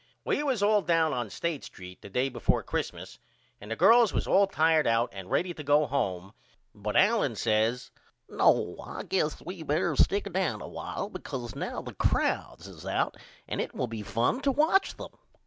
We was all down on State St. the day before Xmas and the girls was all tired out and ready to go home but Allen says No I guess we better stick down a while because now the crowds is out and it will be fun to watch them.